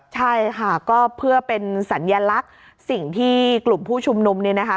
ใช่ค่ะก็เพื่อเป็นสัญลักษณ์สิ่งที่กลุ่มผู้ชุมนุมเนี่ยนะคะ